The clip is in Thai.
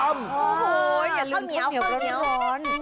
โอ้โหอย่าลืมข้าวเหนียวร้อน